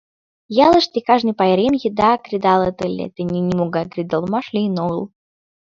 Ялыште кажне пайрем еда кредалыт ыле, тений нимогай кредалмаш лийын огыл.